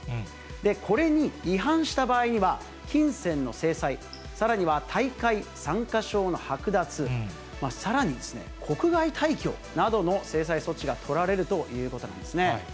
これに違反した場合には、金銭の制裁、さらには大会参加証の剥奪、さらに国外退去などの制裁措置が取られるということなんですね。